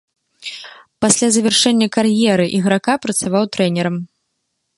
Пасля завяршэння кар'еры іграка працаваў трэнерам.